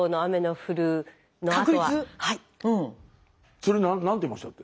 それ何て言いましたっけ？